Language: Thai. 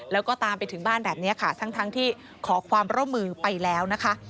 แล้วก็ตามไปถึงบ้านแบบนี้ค่ะทั้งที่ขอความร่วมมือไปแล้วนะคะ